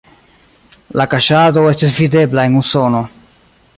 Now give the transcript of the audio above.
La kaŝado estis videbla en Usono.